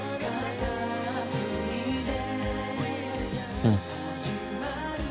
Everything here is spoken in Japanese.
うん。